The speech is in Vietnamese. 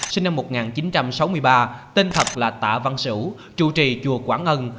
sinh năm một nghìn chín trăm sáu mươi ba tên thật là tạ văn sĩu chủ trì chùa quảng ân